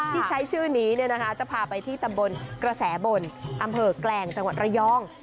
ที่ใช้ชื่อนี้จะพาไปที่ตำบลกระแสบนอำเภอแกลงจังหวัดระยอง